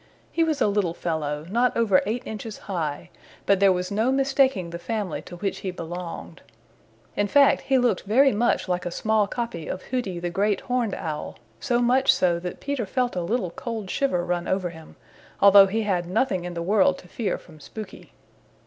He was a little fellow, not over eight inches high, but there was no mistaking the family to which he belonged. In fact he looked very much like a small copy of Hooty the Great Horned Owl, so much so that Peter felt a little cold shiver run over him, although he had nothing in the world to fear from Spooky.